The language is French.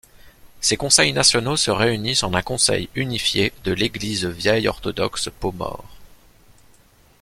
Ces conseils nationaux se réunissent en un conseil unifié de l'Église vieille-orthodoxe pomore.